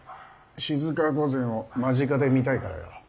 静御前を間近で見たいからよ。